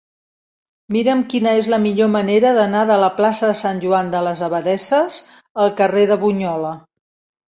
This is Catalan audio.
Mira'm quina és la millor manera d'anar de la plaça de Sant Joan de les Abadesses al carrer de Bunyola.